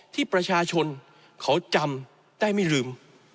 ที่ประชาชนเขาจำได้ไม่ลืม